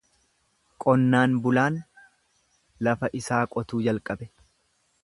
Qonnaan bulaan lafa isaa qotuu jalqabe.